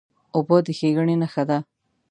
اوبه د ښېګڼې نښه ده.